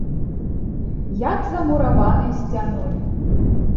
Як за мураванай сцяной!